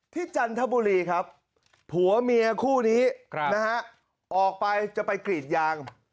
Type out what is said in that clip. จันทบุรีครับผัวเมียคู่นี้นะฮะออกไปจะไปกรีดยาง